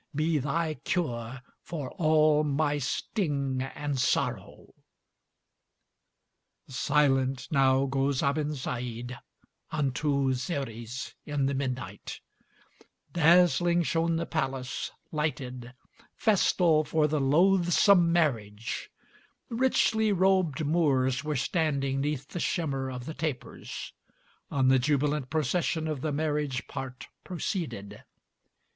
be thy cure for all my sting and sorrow!" Silent now goes Abensaïd, unto Xeres, in the midnight; Dazzling shone the palace, lighted, festal for the loathsome marriage, Richly robed Moors were standing 'neath the shimmer of the tapers, On the jubilant procession of the marriage part proceeded.